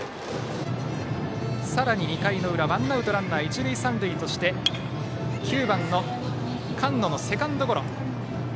さらに２回裏、ワンアウトランナー、一塁三塁として９番、菅野のセカンドゴロ。